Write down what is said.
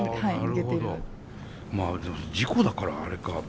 まあでも事故だからあれか。